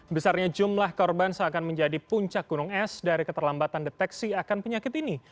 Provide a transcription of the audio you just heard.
besarnya jumlah korban seakan menjadi puncak gunung es dari keterlambatan deteksi akan penyakit ini